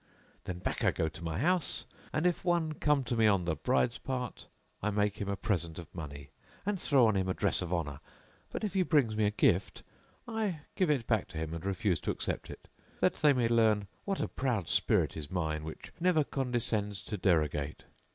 Then back I go to my house, and if one come to me on the bride's part, I make him a present of money and throw on him a dress of honour; but if he bring me a gift, I give it back to him and refuse to accept it,[FN#663] that they may learn what a proud spirit is mine which never condescends to derogate.